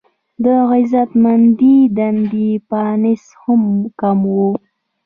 د عزتمندې دندې چانس هم کم و.